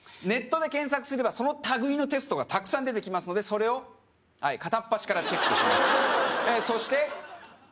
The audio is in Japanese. ネットで検索すればそのたぐいのテストがたくさん出てきますのでそれを片っ端からチェックします